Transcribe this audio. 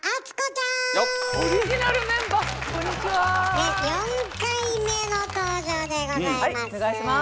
ねっ４回目の登場でございます。